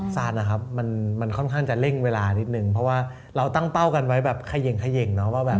ซานนะครับมันค่อนข้างจะเร่งเวลานิดหนึ่งเพราะว่าเราตั้งเป้ากันไว้แบบเขย่ง